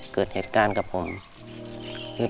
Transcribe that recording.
เกิดเหตุการณ์กับผม